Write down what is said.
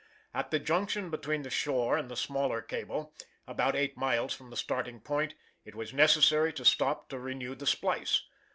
At the junction between the shore and the smaller cable, about eight miles from the starting point, it was necessary to stop to renew the splice.